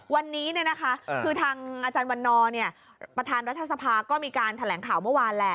วันนี้คือทางอาจารย์วันนอร์ประธานรัฐสภาก็มีการแถลงข่าวเมื่อวานแหละ